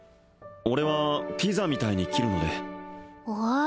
俺はピザみたいに切るのでへえ